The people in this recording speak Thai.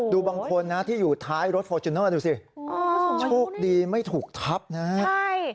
บางคนนะที่อยู่ท้ายรถฟอร์จูเนอร์ดูสิโชคดีไม่ถูกทับนะใช่